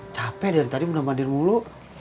capek dari tadi udah mandir mulu